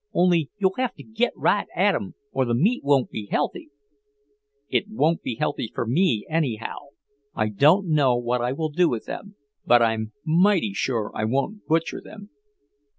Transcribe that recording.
Only you'll have to git right at 'em, or the meat won't be healthy." "It wouldn't be healthy for me, anyhow. I don't know what I will do with them, but I'm mighty sure I won't butcher them."